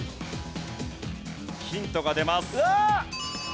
ヒントが出ます。